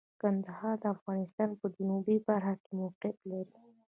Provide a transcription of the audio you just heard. کندهار د افغانستان په جنوبی برخه کې موقعیت لري.